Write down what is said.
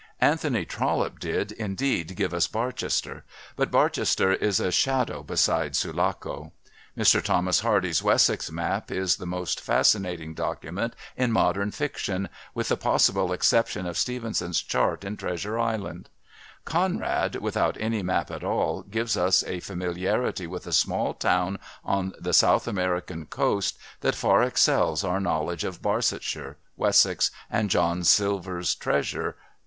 Anthony Trollope did, indeed, give us Barchester, but Barchester is a shadow beside Sulaco. Mr Thomas Hardy's Wessex map is the most fascinating document in modern fiction, with the possible exception of Stevenson's chart in Treasure Island. Conrad, without any map at all, gives us a familiarity with a small town on the South American coast that far excels our knowledge of Barsetshire, Wessex and John Silver's treasure.